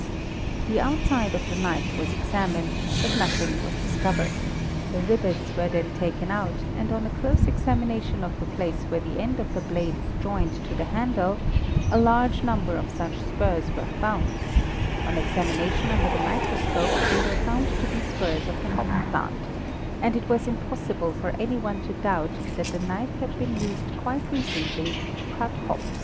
The outside of the knife was examined, but nothing was discovered; the rivets were thet taken out and on a close examination of the place where the end of th blade is joined to the handle a large number of such spurs were found on examination under the microscope they were found to be spurs of th hop plant ; and it was impossible for any one to doubt that the knife he been used quite recently to cut hops.